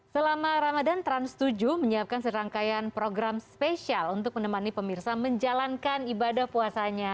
selama ramadan trans tujuh menyiapkan serangkaian program spesial untuk menemani pemirsa menjalankan ibadah puasanya